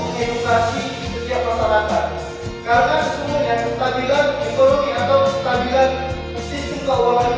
kedepan bank indonesia bukan hanya membuat acara nongkrong atau nangkering begini